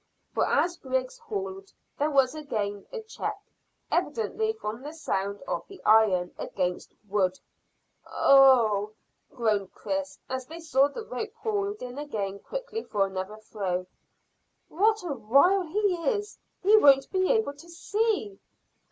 For as Griggs hauled there was again a check, evidently, from the sound of the iron, against wood. "Oh!" groaned Chris, as they saw the rope hauled in again quickly for another throw. "What a while he is! He won't be able to see."